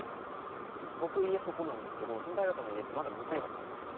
僕家そこなんですけど先輩方の家ってまだ向こうだったんですよね。